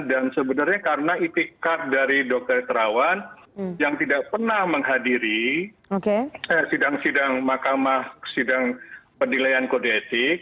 dan sebenarnya karena itikad dari dokter terawan yang tidak pernah menghadiri sidang sidang makamah sidang pendilaian kode etik